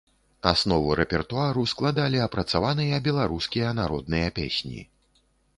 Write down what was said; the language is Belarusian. Аснову рэпертуару складалі апрацаваныя беларускія народныя песні.